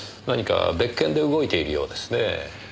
何か別件で動いているようですね。